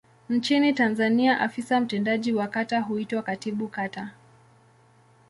Nchini Tanzania afisa mtendaji wa kata huitwa Katibu Kata.